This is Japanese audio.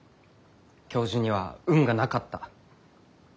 教授には運がなかった。